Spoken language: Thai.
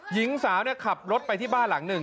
หญิงสาวขับรถไปที่บ้านหลังหนึ่ง